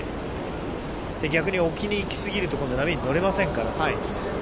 逆に置きに行き過ぎると波に乗れませんから。